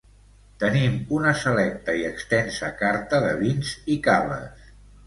Tenim una selecta i extensa carta de vins i caves.